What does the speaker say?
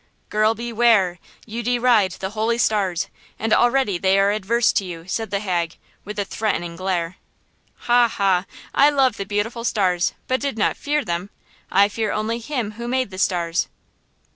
"Girl, beware! You deride the holy stars–and already they are adverse to you!" said the hag, with a threatening glare. "Ha, ha, ha! I love the beautiful stars but did not fear them! I fear only Him who made the stars!"